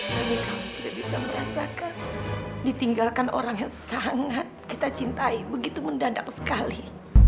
tapi kamu tidak bisa merasakan ditinggalkan orang yang sangat kita cintai begitu mendadak sekali